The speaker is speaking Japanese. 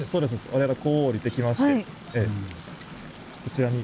我々はこう下りてきましてこちらに。